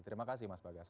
terima kasih mas bagas